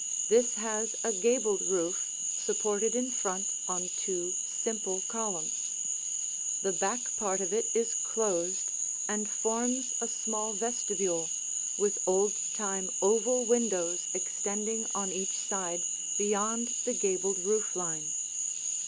This has a gabled roof, supported in front on two simple columns. The back part of it is closed and forms a small vestibule, with old time oval windows extending on each side beyond the gabled roof line.